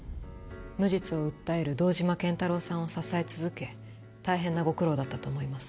無実を訴える堂島健太郎さんを支え続け大変なご苦労だったと思います。